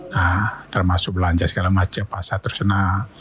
nah termasuk belanja segala macam pasar tradisional